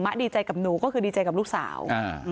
ดีใจกับหนูก็คือดีใจกับลูกสาว